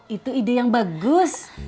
itu ide yang bagus